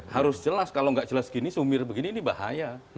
harus jelas kalau nggak jelas gini sumir begini ini bahaya